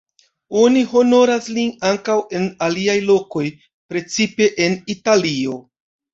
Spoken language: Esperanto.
Oni honoras lin ankaŭ en aliaj lokoj, precipe en Italio.